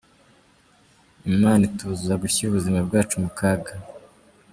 Imana itubuza gushyira ubuzima bwacu mu kaga.